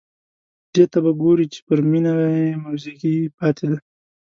دې ته به ګوري چې پر مېنه یې موزیګی پاتې دی.